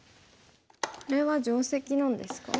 これは定石なんですか？